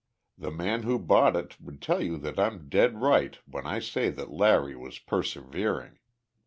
The man who bought it would tell you that I'm dead right when I say that Larry was persevering.